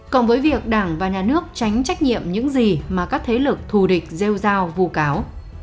còn với việc đảng và nhà nước tránh trách nhiệm những gì mà các thế lực thù địch gieo giao vụ cáo